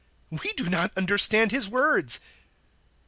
We do not understand His words."